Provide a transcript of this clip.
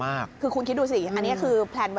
ถ้าเกิดชั้น๕๖ไปแล้ว